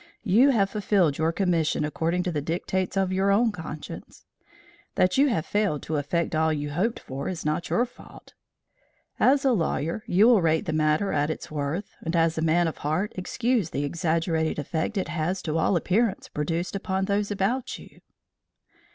You have fulfilled your commission according to the dictates of your own conscience. That you have failed to effect all you hoped for is not your fault. As a lawyer you will rate the matter at its worth, and as a man of heart excuse the exaggerated effect it has to all appearance produced upon those about you."